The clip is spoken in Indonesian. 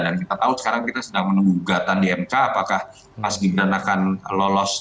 dan kita tahu sekarang kita sedang menunggatan di mk apakah mas gibran akan lolos